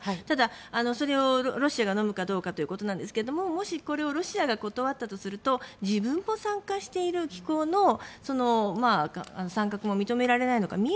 ただ、それをロシアが飲むかどうかということですけどもしこれをロシアが断ったとすると自分も参加している機構の参画も認められないのか。